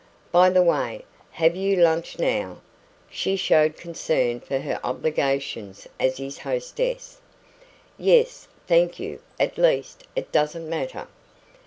By the way, have you lunched now?" She showed concern for her obligations as his hostess. "Yes, thank you at least, it doesn't matter."